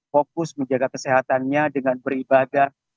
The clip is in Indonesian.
fokus menjaga kesehatannya dengan beribadah